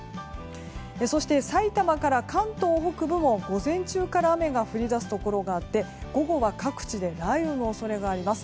そして埼玉から関東北部も午前中から雨が降り出すところがあって午後は各地で雷雨の恐れがあります。